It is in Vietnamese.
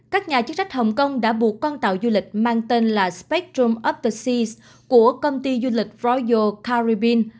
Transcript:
các nhà chức trách hồng kông đã buộc con tàu du lịch mang tên là spectrum of the seas của công ty du lịch royal caribbean